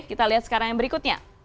kita lihat sekarang yang berikutnya